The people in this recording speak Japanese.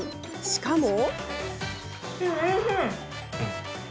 しかも。